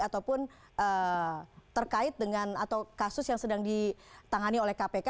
ataupun terkait dengan atau kasus yang sedang ditangani oleh kpk